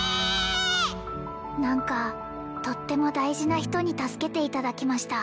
何かとっても大事な人に助けていただきました